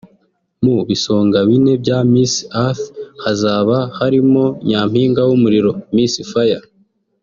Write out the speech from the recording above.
Mu bisonga bine bya Miss Earth hazaba harimo Nyampinga w’Umuriro( Miss Fire)